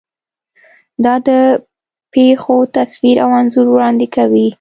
دا د پېښو تصویر او انځور وړاندې کوي.